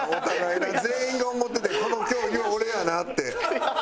全員が思っててん「この競技は俺やな」って。